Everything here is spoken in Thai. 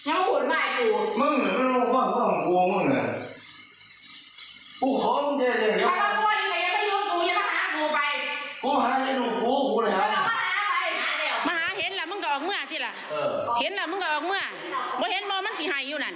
ออกไป